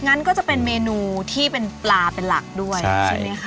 งั้นก็จะเป็นเมนูที่เป็นปลาเป็นหลักด้วยใช่ไหมคะ